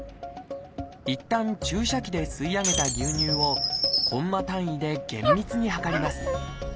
いったん注射器で吸い上げた牛乳をコンマ単位で厳密に量ります。